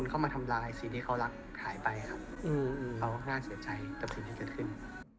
เขาก็ง่ายเสียใจตะดูสิตั้งแต่ขึ้น